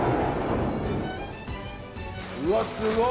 うわすごい！